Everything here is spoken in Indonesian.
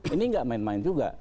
ini nggak main main juga